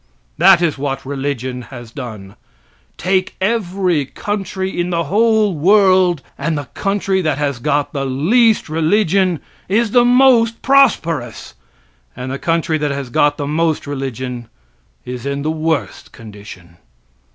That is what religion has done. Take every country in the whole world, and the country that has got the least religion is the most prosperous, and the country that has got the most religion is in the worst condition.